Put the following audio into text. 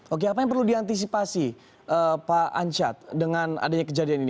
oke apa yang perlu diantisipasi pak ancat dengan adanya kejadian ini